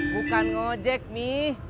bukan ngejek mi